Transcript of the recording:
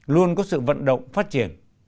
luôn có sự vận động phát triển